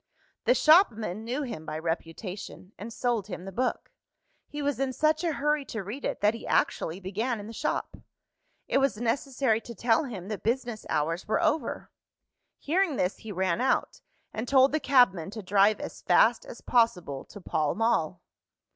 The shopman knew him by reputation, and sold him the book. He was in such a hurry to read it, that he actually began in the shop. It was necessary to tell him that business hours were over. Hearing this, he ran out, and told the cabman to drive as fast as possible to Pall Mall.